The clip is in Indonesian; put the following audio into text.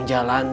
kamu gak tau kan